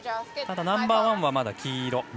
ただナンバーワンはまだ黄色。